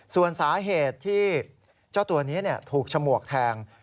ส่วนสาเหตุที่เจ้าตัวนี้ถูกฉมวกแทง